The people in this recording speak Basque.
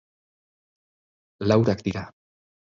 Laurak dira.